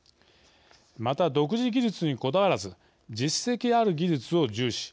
また独自技術にこだわらず実績ある技術を重視。